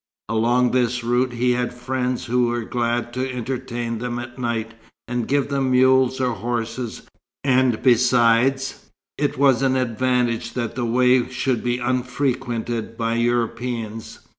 Along this route he had friends who were glad to entertain them at night, and give them mules or horses, and besides, it was an advantage that the way should be unfrequented by Europeans.